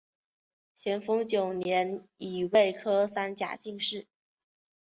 咸丰九年己未科三甲进士。